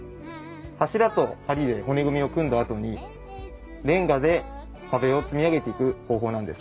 柱と梁で骨組みを組んだあとにれんがで壁を積み上げていく工法なんです。